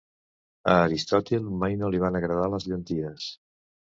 A Aristòtil mai no li van agradar les llenties.